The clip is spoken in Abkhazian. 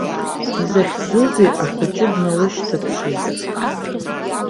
Изахьӡузеи ахәыҷы дналышьҭаԥшызар!